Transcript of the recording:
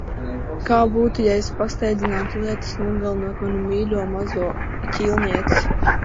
Kā būtu, ja es pasteidzinātu lietas, nogalinot manu mīļo, mazo ķīlnieci?